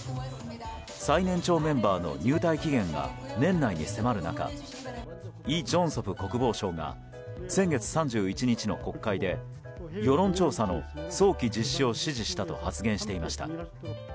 最年長メンバーの入隊期限が年内に迫る中イ・ジョンソプ国防相が先月３１日の国会で世論調査の早期実施を指示したと発言していました。